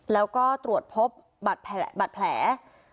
แล้วก็ตรวจพบบัตรแผล